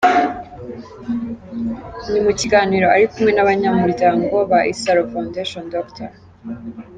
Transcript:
Ni mu kiganiro ari kumwe n’abanyamuryango ba Isaro Foundation, Dr.